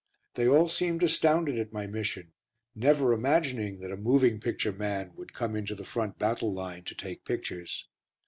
They all seemed astounded at my mission, never imagining that a moving picture man would come into the front battle line to take pictures.